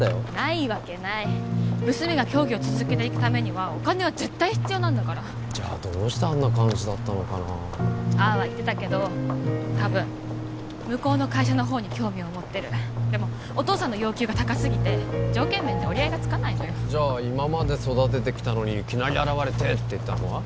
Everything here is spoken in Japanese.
いわけない娘が競技を続けていくためにはお金は絶対必要なんだからじゃあどうしてあんな感じだったのかなああは言ってたけど多分向こうの会社の方に興味を持ってるでもお父さんの要求が高すぎて条件面で折り合いがつかないのよじゃあ今まで育ててきたのにいきなり現れてって言ったのは？